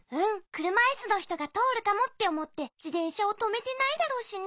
「くるまいすのひとがとおるかも」っておもってじてんしゃをとめてないだろうしね。